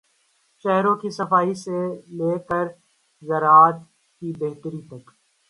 شہروں کی صفائی سے لے کر زراعت کی بہتری تک۔